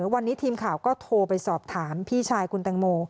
วันนี้ทีมข่าวก็โทรไปสอบถามพี่ชายคุณแตงโม